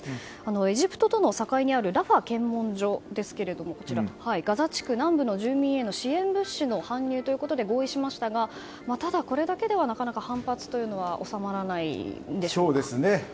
エジプトとの境にあるラファ検問所ですけどもガザ地区南部の住民への支援物資の搬入ということで合意しましたがただこれだけではなかなか反発というのは収まらないんでしょうか。